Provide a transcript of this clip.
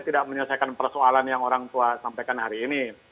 tidak menyelesaikan persoalan yang orang tua sampaikan hari ini